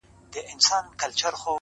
د رباب او سارنګ له شرنګ سره دادی -